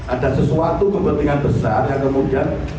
ada sesuatu kepentingan besar yang kemudian